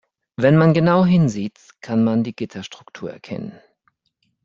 Wenn man genau hinsieht, kann man die Gitterstruktur erkennen.